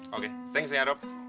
oke thanks ya rob